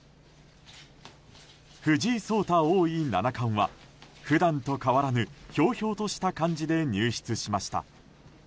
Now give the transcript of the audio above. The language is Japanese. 藤井聡太王位・七冠は普段と変わらぬひょうひょうとした感じで入室しました。